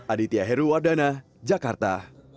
aditya heruwardana jakarta